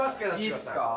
いいっすか？